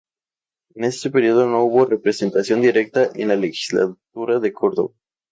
En ese período no hubo representación directa en la Legislatura de Córdoba.